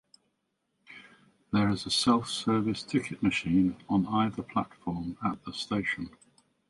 There is a self-serve ticket machine on either platform at the station.